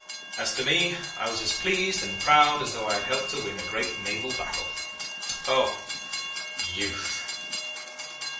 As to me, I was as pleased and proud as though I had helped to win a great naval battle. O! Youth!